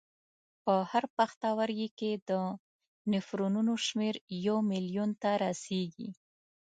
په هر پښتورګي کې د نفرونونو شمېر یو میلیون ته رسېږي.